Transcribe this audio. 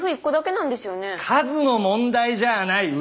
数の問題じゃあないッ。